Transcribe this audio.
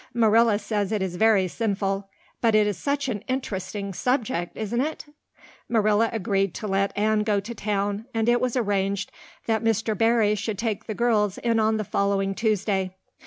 Marilla says it is very sinful. But it is such an interesting subject, isn't it?" Marilla agreed to let Anne go to town, and it was arranged that Mr. Barry should take the girls in on the following Tuesday.